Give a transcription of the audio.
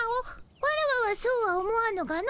ワラワはそうは思わぬがの。